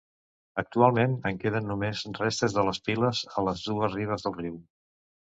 Actualment en queden només restes de les piles a les dues ribes del riu.